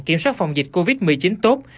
kiểm soát phòng dịch covid một mươi chín tốt